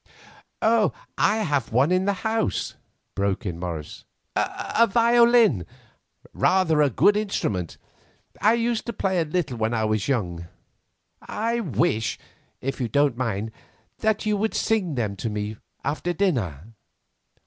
"I have one in the house," broke in Morris, "a violin—rather a good instrument; I used to play a little when I was young. I wish, if you don't mind, that you would sing them to me after dinner."